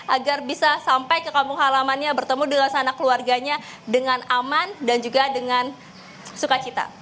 agar bisa sampai ke kampung halamannya bertemu dengan sana keluarganya dengan aman dan juga dengan sukacita